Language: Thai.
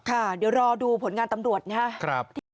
ค่ะเดี๋ยวรอดูผลงานตำรวจนะครับ